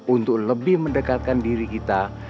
untuk lebih mendekatkan diri kita